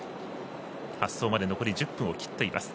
発走まで残り１０分を切っています。